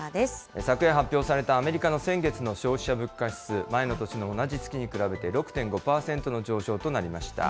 昨夜発表されたアメリカの先月の消費者物価指数、前の年の同じ月に比べて６．５％の上昇となりました。